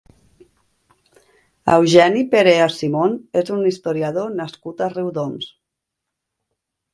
Eugeni Perea Simón és un historiador nascut a Riudoms.